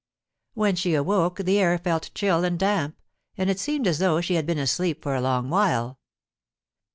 When she awoke the air felt chill and damp, and it seemed as though she had been asleep for a long while.